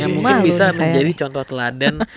yang mungkin bisa menjadi contoh teladan